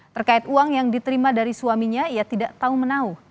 terkait uang yang diterima dari suaminya ia tidak tahu menau